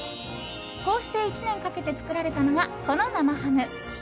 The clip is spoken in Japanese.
こうして１年かけて作られたのがこの生ハム。